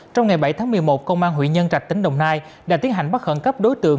trong ngày bảy tháng một mươi một công an huyện nhân trạch tỉnh đồng nai đã tiến hành bắt khẩn cấp đối tượng